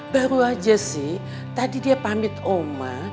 baru aja sih tadi dia pamit oma